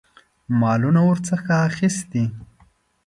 مالونه ورڅخه اخیستي.